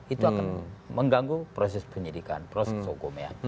itu akan mengganggu proses penyidikan proses hukum ya